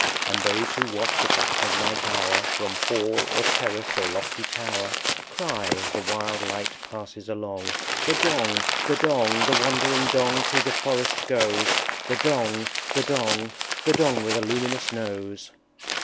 And those who watch at that midnight hour From Hall or Terrace or lofty Tower, Cry, as the wild light passes along, "The Dong! the Dong! The wandering Dong through the forest goes! The Dong! the Dong! The Dong with a luminous Nose!"